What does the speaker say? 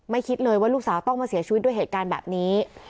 คิดเลยว่าลูกสาวต้องมาเสียชีวิตด้วยเหตุการณ์แบบนี้